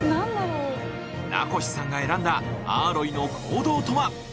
名越さんが選んだアーロイの行動とは？